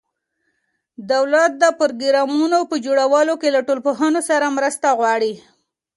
دولت د پروګرامونو په جوړولو کې له ټولنپوهانو مرسته غواړي.